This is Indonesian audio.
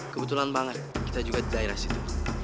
kebetulan banget kita juga di daerah situ